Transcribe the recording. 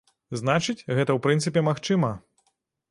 Значыць, гэта ў прынцыпе магчыма.